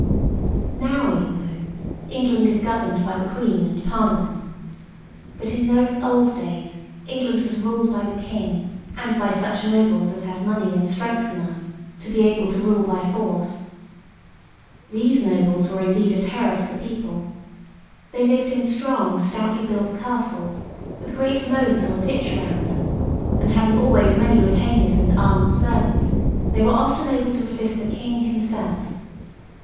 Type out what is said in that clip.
Now, you know, England is governed by the Queen and Parliament. But in those old days England was ruled by the King and by such nobles as had money and strength enough to be able to rule by force. These nobles were indeed a terror to the people. They lived in strong, stoutly built castles, with a great moat or ditch round them, and having always many retainers and armed servants, they were often able to resist the King himself.